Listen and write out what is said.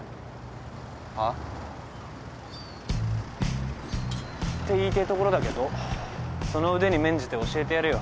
はぁ？って言いてえところだけどその腕に免じて教えてやるよ。